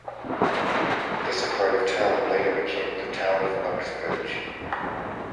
This part of town later became the town of Uxbridge.